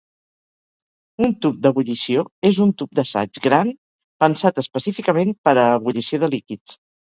Un tub d'ebullició és un tub d'assaig gran pensat específicament per a ebullició de líquids.